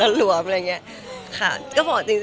การผ่อมก็ถือเป็นเรื่องอ่ะนั่นดีดีเพราะว่าเราผ่อมลงแล้วตายแล้ละหรวม